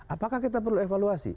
apakah kita perlu evaluasi